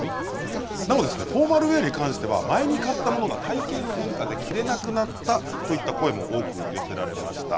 なおフォーマルウェアに関しては前に買ったものが体型の変化で着れなくなったといった声が多く寄せられました。